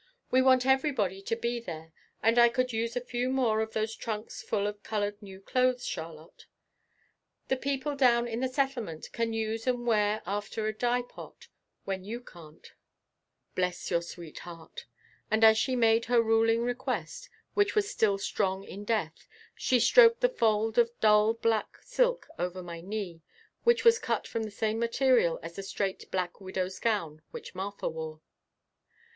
"We want everybody to be there and I could use a few more of those trunks full of colored new clothes, Charlotte. The people down in the Settlement can use and wear after a dye pot when you can't, bless your sweet heart," and as she made her ruling request, which was still strong in death, she stroked the fold of dull black silk over my knee which was cut from the same material as the straight black widow's gown which Martha wore.